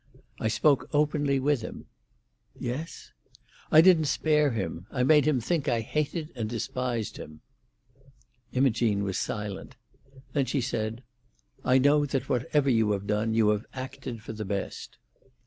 "I spoke openly with him." "Yes?" "I didn't spare him. I made him think I hated and despised him." Imogene was silent. Then she said, "I know that whatever you have done, you have acted for the best."